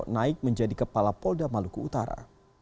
naik menjadi kepala polda maluku utara